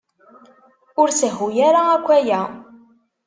Ur sehhu ara akk aya.